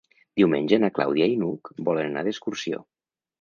Diumenge na Clàudia i n'Hug volen anar d'excursió.